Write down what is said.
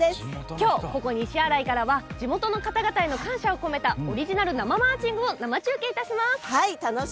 今日、ここ西新井からは地元の方への感謝を込めたオリジナル生マーチングを生中継します。